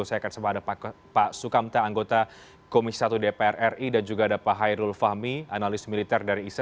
saya akan sempat ada pak sukamta anggota komisi satu dpr ri dan juga ada pak hairul fahmi analis militer dari isi